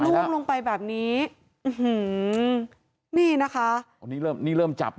ลุ่งลงไปแบบนี้มื้อนี่นะคะอันนี้เริ่มเริ่มจับแล้ว